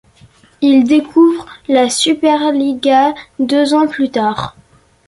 Il découvre la Superliga deux ans plus tard.